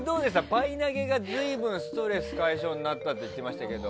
パイ投げが随分ストレス解消になったと言ってましたけど。